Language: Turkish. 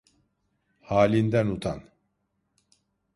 Halinden utan!